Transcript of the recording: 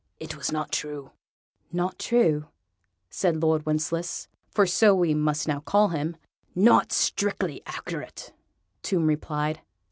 It was not true." "Not true?" said Lord Wencheslaus for so we must now call him. "Not strictly accurate," Tomb replied.